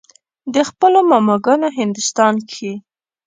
د خپلو ماما ګانو هندوستان کښې